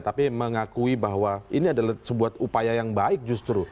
tapi mengakui bahwa ini adalah sebuah upaya yang baik justru